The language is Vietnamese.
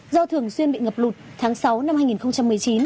do thường xuyên bị ngập lụt tháng sáu năm hai nghìn tám